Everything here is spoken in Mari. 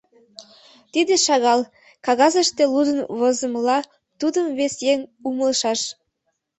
Тиде шагал — кагазыште лудын-возымыла тудым вес еҥ умылышаш.